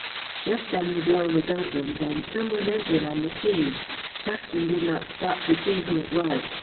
Just then the door was opened and some one entered on the scene. Paxton did not stop to see who it was.